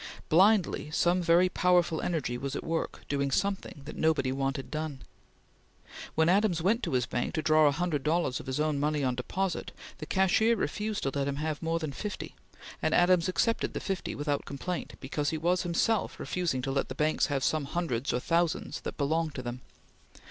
Blindly some very powerful energy was at work, doing something that nobody wanted done. When Adams went to his bank to draw a hundred dollars of his own money on deposit, the cashier refused to let him have more than fifty, and Adams accepted the fifty without complaint because he was himself refusing to let the banks have some hundreds or thousands that belonged to them.